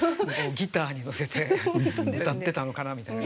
ギターに乗せて歌ってたのかなみたいな。